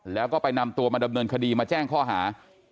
แล้วก็ไปนำตัวมาดำเนินคดีมาแจ้งข้อหา